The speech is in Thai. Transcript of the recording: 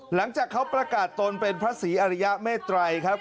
หลังจากเขาประกาศตนเป็นพระศรีอริยเมตรัยครับ